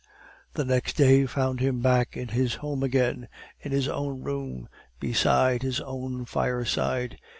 The next day found him back in his home again, in his own room, beside his own fireside.